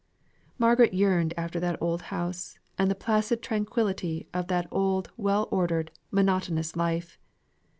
Margaret yearned after that old house, and the placid tranquility of that well ordered, monotonous life.